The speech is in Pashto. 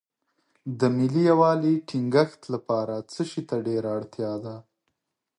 د ملي یووالي ټینګښت لپاره څه شی ته ډېره اړتیا ده.